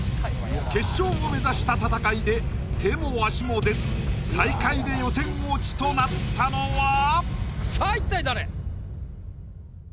決勝を目指した戦いで手も足も出ず最下位で予選落ちとなったのは⁉さあ一体誰？